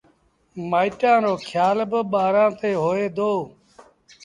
مآئيٚٽآݩ رو کيآل با ٻآرآݩ تي هوئي دو۔